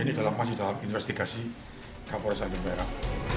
ini masih dalam investigasi kapolosan jemberang